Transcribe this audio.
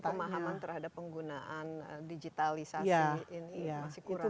atau pemahaman terhadap penggunaan digitalisasi ini masih kurang ya